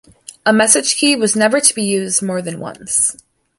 A message key was never to be used more than once.